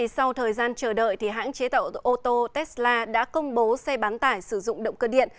sau thời gian chờ đợi hãng chế tạo ô tô tesla đã công bố xe bán tải sử dụng động cơ điện